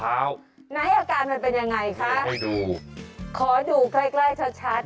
ไหนอาการมันเป็นยังไงคะไปดูขอดูใกล้ใกล้ชัดชัด